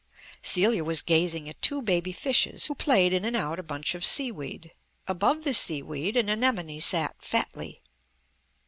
Celia was gazing at two baby fishes who played in and out a bunch of sea weed. Above the seaweed an anemone sat fatly.